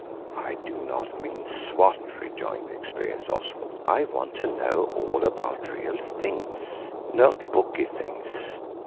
"I do not mean swat," rejoined the experienced Oswald. "I want to know all about real things, not booky things.